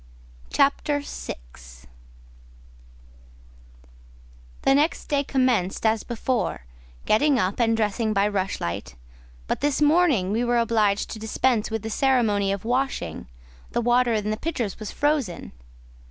CHAPTER VI The next day commenced as before, getting up and dressing by rushlight; but this morning we were obliged to dispense with the ceremony of washing; the water in the pitchers was frozen.